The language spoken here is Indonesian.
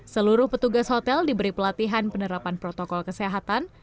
seluruh petugas hotel diberi pelatihan penerapan protokol kesehatan